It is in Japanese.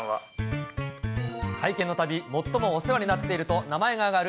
会見のたび、最もお世話になっていると名前が挙がる